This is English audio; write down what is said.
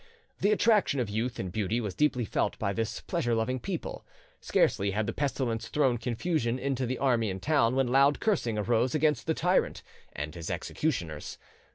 The attraction of youth and beauty was deeply felt by this pleasure loving people. Scarcely had the pestilence thrown confusion into the army and town, when loud cursing arose against the tyrant and his executioners.